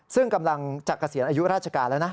ซึ่งกำลังจะเกษียณอายุราชการแล้วนะ